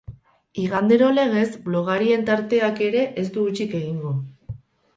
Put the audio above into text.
Igandero legez, blogarien tarteak ere ez du hutsik egingo.